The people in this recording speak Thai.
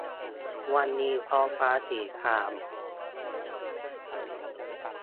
วันนี้ท้องฟ้าสีคราม